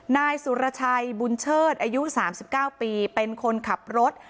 นายสุรชัยบุญเชิดอายุสามสิบเก้าปีเป็นคนขับรถ